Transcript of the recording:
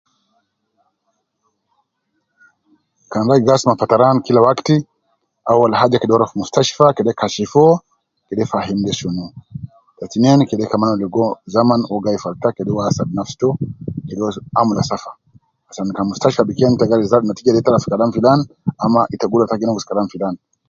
Kan ajol gi asuma fataran kila wakti, awal haja kede uwo ruwa fi mushtashfa, kede kashifu uwo. Kede fahimu de sunu. Ta tinen kede uwo logo zaman, kede uwo gayi falata, uwo kede asadu nafsi to, kalam netija ta mushtashfa bi kelem neita, gudura kalas fi kalam filan ama nongus fi kalam filan.